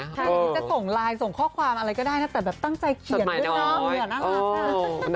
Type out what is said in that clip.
ใครจะส่งไลน์ส่งข้อความอะไรก็ได้นะแต่แบบตั้งใจเขียนด้วยเนอะ